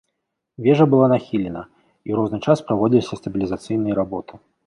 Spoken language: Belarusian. Вежа была нахілена, і ў розны час праводзіліся стабілізацыйныя работы.